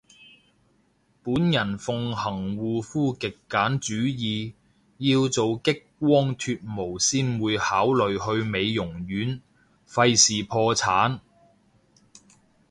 本人奉行護膚極簡主義，要做激光脫毛先會考慮去美容院，廢事破產